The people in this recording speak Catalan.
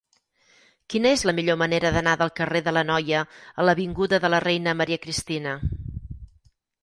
Quina és la millor manera d'anar del carrer de l'Anoia a l'avinguda de la Reina Maria Cristina?